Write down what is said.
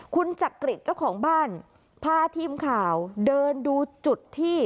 คุณจักริจเจ้าของบ้านพาทีมข่าวเดินดูจุดที่